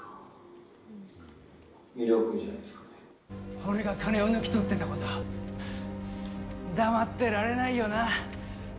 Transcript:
俺が金を抜き取っていたこと、黙ってられないよな。